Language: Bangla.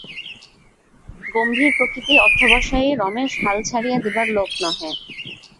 গম্ভীরপ্রকৃতি অধ্যবসায়ী রমেশ হাল ছাড়িয়া দিবার লোক নহে।